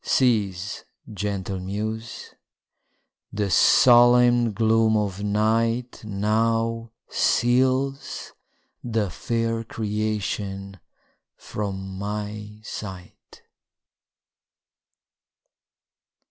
Cease, gentle muse! the solemn gloom of night Now seals the fair creation from my sight.